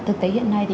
thực tế hiện nay